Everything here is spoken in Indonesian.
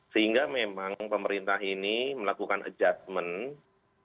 sehingga memang pemerintah ini melakukan adjustment